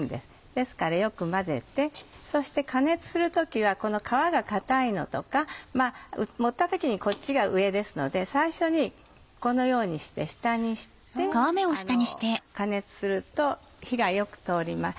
ですからよく混ぜてそして加熱する時はこの皮が硬いのとか盛った時にこっちが上ですので最初にこのようにして下にして加熱すると火がよく通ります。